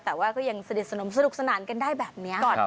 แต่ว่าก็ยังสนิทสนมสนุกสนานกันได้แบบนี้